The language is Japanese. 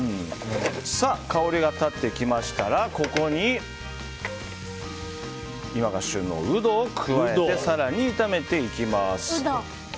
香りが立ってきましたらここに今が旬のウドを加えて更に炒めていきます。